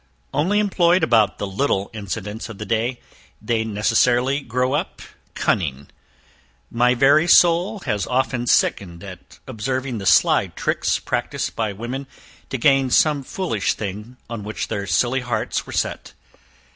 Only employed about the little incidents of the day, they necessarily grow up cunning. My very soul has often sickened at observing the sly tricks practised by women to gain some foolish thing on which their silly hearts were set.